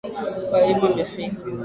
Walimu wamefika.